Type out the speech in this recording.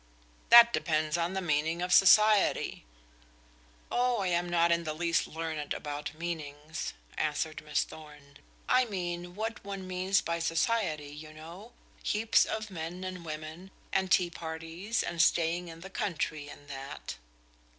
"That depends on the meaning of society." "Oh, I am not in the least learned about meanings," answered Miss Thorn. "I mean what one means by society, you know. Heaps of men and women, and tea parties, and staying in the country, and that."